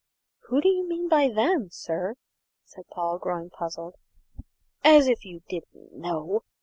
"Who do you mean by them, sir?" said Paul, growing puzzled. "As if you didn't know!